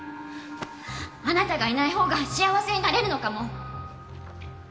あなたがいないほうが幸せになれるのかも。